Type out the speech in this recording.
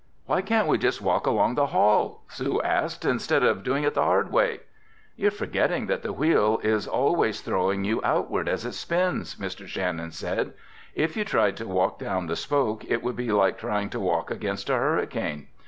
"Why can't we just walk along the hall," Sue asked, "instead of doing it the hard way?" "You're forgetting that the Wheel is always throwing you outward as it spins," Mr. Shannon said. "If you tried to walk down the spoke it would be like trying to walk against a hurricane.